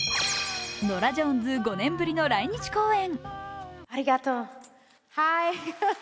ノラ・ジョーンズ５年ぶりの来日公演。